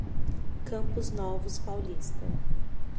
Campos Novos Paulista